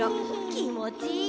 きもちいい。